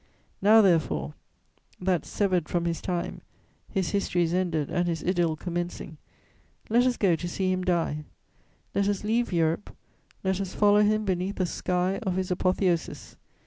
Now, therefore, that, severed from his time, his history is ended and his idyll commencing, let us go to see him die: let us leave Europe; let us follow him beneath the sky of his apotheosis!